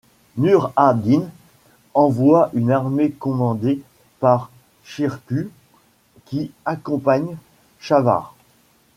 Nur ad-Din envoie une armée commandée par Shirkuh qui accompagne Shawar.